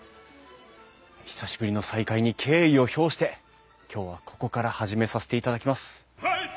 久しぶりの再会に敬意を表して今日はここから始めさせていただきます。